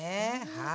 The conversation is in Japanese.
はい。